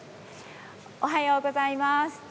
おはようございます。